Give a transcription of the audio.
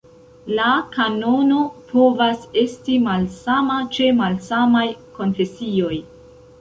La kanono povas esti malsama ĉe malsamaj konfesioj.